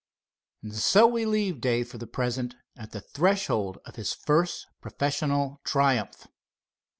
So we leave Dave for the present, at the threshold of his first professional triumph.